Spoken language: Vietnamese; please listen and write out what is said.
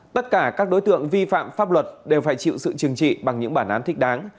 tất cả các đối tượng vi phạm pháp luật đều phải chịu sự chừng trị bằng những bản án thích đáng